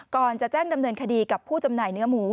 ก่อนจะแจ้งดำเนินคดีกับผู้จำหน่ายเนื้อหมู